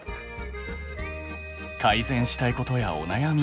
改善したいことやお悩み